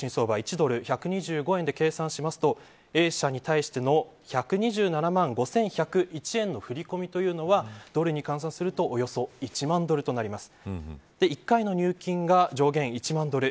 ４月１１日当時の相場１ドル１２５円で換算するとＡ社に対して１２５万１円の振り込みというのはドルに換算するとおよそ１万ドルとなります。